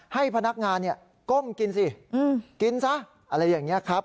ให้พนักงานก้มกินสิกินซะอะไรอย่างนี้ครับ